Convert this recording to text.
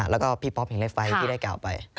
แล้วก็พี่ป๊อปฮิลเล็กไฟที่ได้กล่าวไป